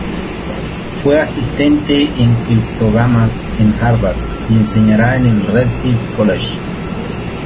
Fue asistente en Criptógamas en Harvard, y enseñará en el Radcliffe College.